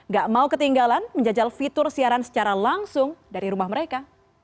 gak mau ketinggalan menjajal fitur siaran secara langsung dari rumah mereka